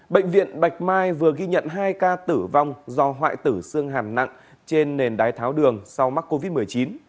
bệnh viện bạch mai vừa ghi nhận hai ca tử vong do hoại tử xương hàm nặng trên nền đái tháo đường sau mắc covid một mươi chín